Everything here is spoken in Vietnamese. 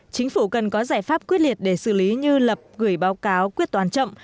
chính phủ cần có giải pháp quyết liệt để xử lý như lập gửi báo cáo quyết toán chậm